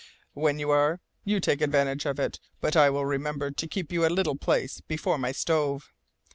When you are, you take advantage of it; but I will remember to keep you a little place before my stove."